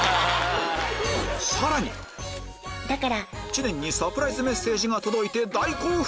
さらに知念にサプライズメッセージが届いて大興奮！